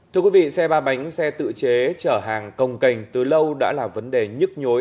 thưa quý vị xe ba bánh xe tự chế chở hàng công cành từ lâu đã là vấn đề nhức nhối